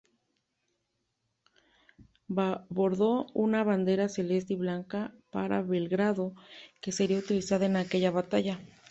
Bordó una bandera celeste y blanca para Belgrano, que sería utilizada en aquella batalla.